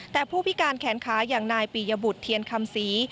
แต่ผู้พิการแขนขาอย่างนายปียบุตรเทียนคำศรี